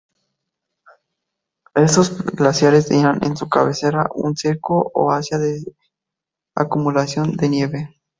Estos glaciares tenían en su cabecera un circo o área de acumulación de nieve.